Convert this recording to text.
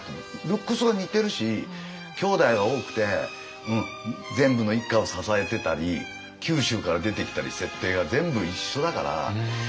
ルックスが似てるしきょうだいは多くて全部の一家を支えてたり九州から出てきたり設定が全部一緒だから。